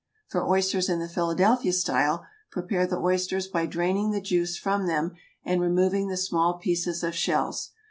For oysters in the Philadelphia style, prepare the oysters by draining the juice from them and removing the small pieces of shells.